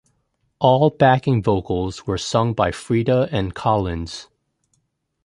All backing vocals were sung by Frida and Collins.